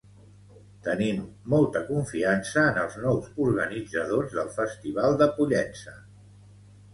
Tenim molta confiança en els nous organitzadors del Festival de Pollença.